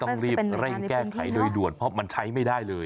ต้องรีบเร่งแก้ไขโดยด่วนเพราะมันใช้ไม่ได้เลย